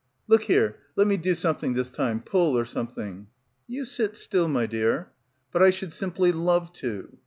"Look here, let me do something this time, pull or something." "You sit still, my dear." "But I should simply love to."